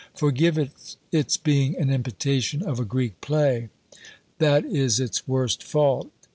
Forgive it its being an imitation of a Greek play. That is its worst fault.